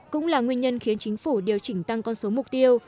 cũng là nguyên nhân khiến chính phủ điều chỉnh tăng con số mục tiêu